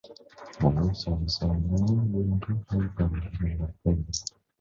Mụ sồn sồn đó đương kéo tay chồng từ sòng bạc về